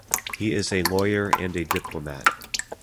He is a lawyer and a diplomat.